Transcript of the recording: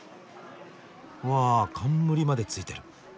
わ冠までついてる。